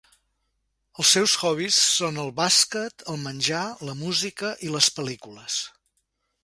Els seus hobbies són el bàsquet, el menjar, la música i les pel·lícules.